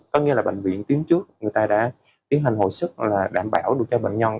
có nghĩa là bệnh viện tuyến trước người ta đã tiến hành hồi sức là đảm bảo được cho bệnh nhân